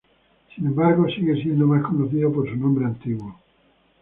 Sin embargo, sigue siendo más conocido por su nombre antiguo.